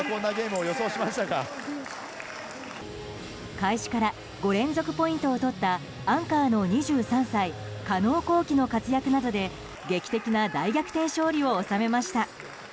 開始から５連続ポイントを取ったアンカーの２３歳加納虹輝の活躍などで劇的な大逆転勝利を収めました。